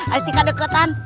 ada tiga dekatan